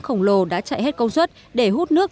khổng lồ đã chạy hết công suất để hút nước